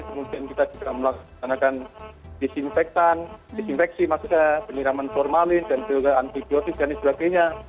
kemudian kita juga melakukan disinfeksi peniraman formalin antibiotik dan sebagainya